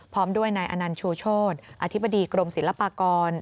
พร้อมด้วยนายอนันต์ชูโชธอธิบดีกรมศิลปากร